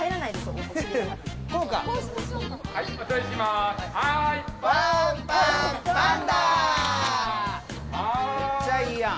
めっちゃいいやん。